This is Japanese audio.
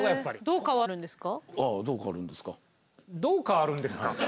どう変わるんですか。